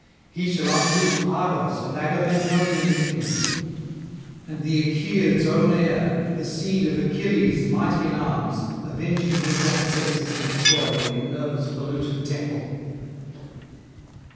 He shall uproot Argos and Agamemnonian Mycenae, and the Aeacid's own heir, the seed of Achilles mighty in arms, avenging his ancestors in Troy and Minerva's polluted temple.